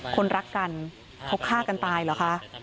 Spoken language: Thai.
คนรักกันเขาฆ่ากันตายเหรอคะ